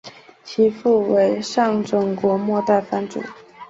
其父为上总国末代藩主。